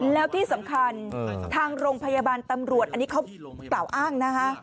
แล้วที่สำคัญทางโรงพยาบาลตำรวจอันนี้เขากล่าวอ้างนะคะ